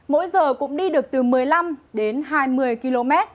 mỗi giờ cũng đi được từ một mươi năm đến hai mươi km